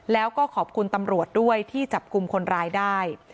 แล้วก็ขอบคุณตำรวจด้วยที่จับกลุ่มคนร้ายได้